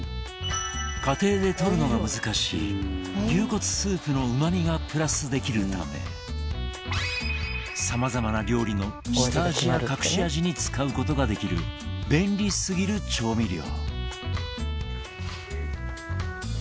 家庭でとるのが難しい牛骨スープのうまみがプラスできるためさまざまな料理の下味や隠し味に使うことができる便利すぎる調味料。